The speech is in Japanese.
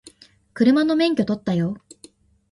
車の免許取ったよ